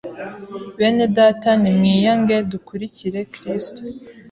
Bene data ni mwiyange dukurikire kristo